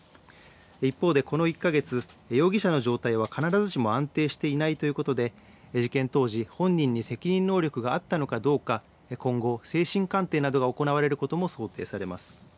一方でこの１か月、容疑者の状態は必ずしも安定していないということで事件当時、本人に責任能力があったのかどうか今後、精神鑑定などが行われることも想定されます。